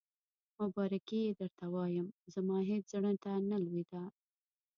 مبارکي یې درته وایم، زما هېڅ زړه ته نه لوېده.